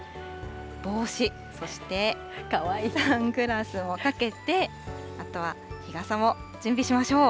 帽子、そしてサングラスもかけて、あとは日傘も準備しましょう。